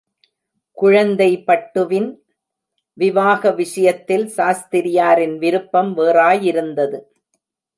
குழந்தை பட்டுவின் விவாக விஷயத்தில் சாஸ்திரியாரின் விருப்பம் வேறாயிருந்தது.